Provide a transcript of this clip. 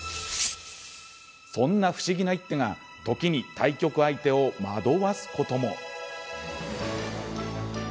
そんな不思議な一手が、時に対局相手を惑わすことも。